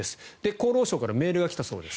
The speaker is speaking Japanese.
厚労省からメールが来たそうです。